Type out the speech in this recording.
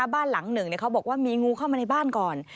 บ้านหลังหนึ่งเขาบอกว่ามีงูเข้ามาในบ้านก่อน